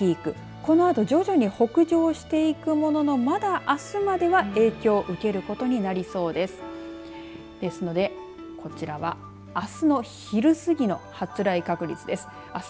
このあと徐々に北上していくもののまだ、あすまでは影響を受けることになりそうです。